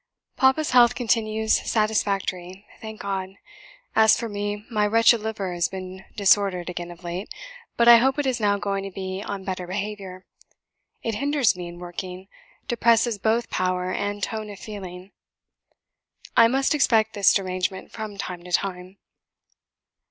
"Papa's health continues satisfactory, thank God! As for me, my wretched liver has been disordered again of late, but I hope it is now going to be on better behaviour; it hinders me in working depresses both power and tone of feeling. I must expect this derangement from time to time."